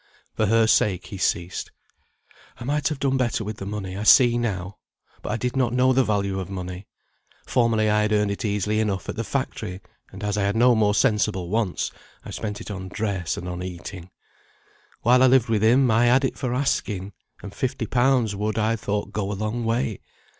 For her sake he ceased. "I might have done better with the money; I see now. But I did not know the value of money. Formerly I had earned it easily enough at the factory, and as I had no more sensible wants, I spent it on dress and on eating. While I lived with him, I had it for asking; and fifty pounds would, I thought, go a long way.